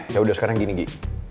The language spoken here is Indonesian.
yaudah sekarang gini gi